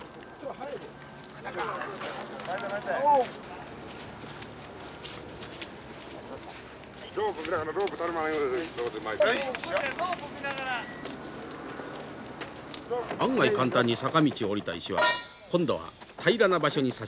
案外簡単に坂道を下りた石は今度は平らな場所にさしかかりました。